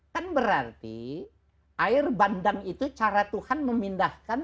kan berarti air bandang itu cara tuhan memindahkan